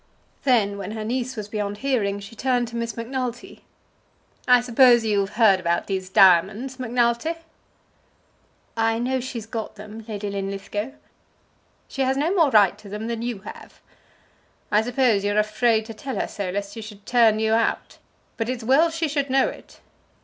Then, when her niece was beyond hearing, she turned to Miss Macnulty. "I suppose you've heard about these diamonds, Macnulty?" "I know she's got them, Lady Linlithgow." "She has no more right to them than you have. I suppose you're afraid to tell her so, lest she should turn you out; but it's well she should know it.